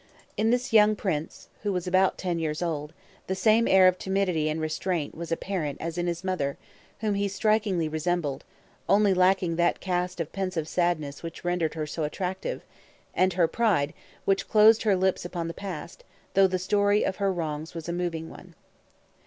In this young prince, who was about ten years old, the same air of timidity and restraint was apparent as in his mother, whom he strikingly resembled, only lacking that cast of pensive sadness which rendered her so attractive, and her pride, which closed her lips upon the past, though the story of her wrongs was a moving one.